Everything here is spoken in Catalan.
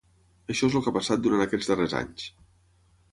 Això és el que ha passat durant aquests darrers anys.